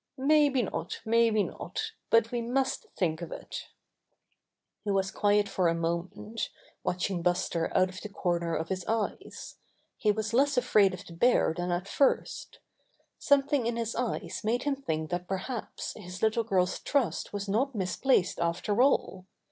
"Maybe not! Maybe not! But we must think of it." He was quiet for a moment, watching Buster out of the corner of his eyes. He was less afraid of the bear than at first Some thing in his eyes made him think that perhaps his little girl's trust was not misplaced after all.